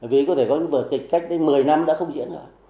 vì có thể có những vở kịch cách đến một mươi năm đã không diễn nữa